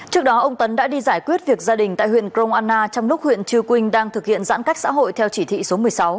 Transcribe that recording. trước đó ông tấn đã đi giải quyết việc gia đình tại huyện crong anna trong lúc huyện chư quynh đang thực hiện giãn cách xã hội theo chỉ thị số một mươi sáu